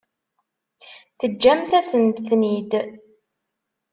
Teǧǧamt-asent-ten-id.